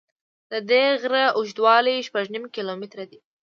د دې غره اوږدوالی شپږ نیم کیلومتره دی.